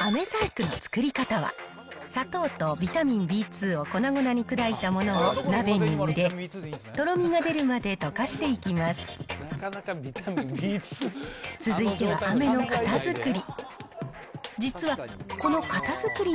あめ細工の作り方は、砂糖とビタミンＢ２を粉々に砕いたものを鍋に入れ、とろみが出る続いては、あめの型作り。